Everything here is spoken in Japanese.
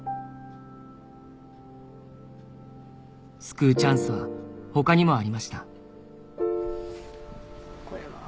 救うチャンスは他にもありましたこれは？